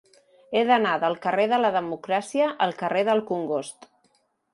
He d'anar del carrer de la Democràcia al carrer del Congost.